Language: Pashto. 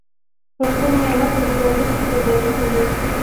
پښتون میلمه تر دروازې پورې بدرګه کوي.